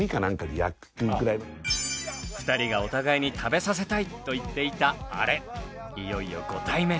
２人がお互いに食べさせたいと言っていたあれいよいよご対面。